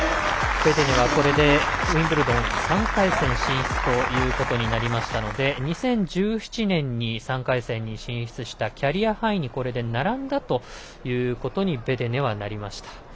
ベデネは、これでウィンブルドン３回戦進出となりましたので２０１７年に３回戦に進出したキャリアハイにこれで並んだということにベデネはなりました。